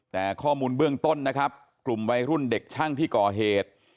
แต่ข้อมูลเบื้องต้นนะครับกลุ่มวัยรุ่นเด็กช่างที่ก่อเหตุ